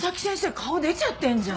顔出ちゃってんじゃん！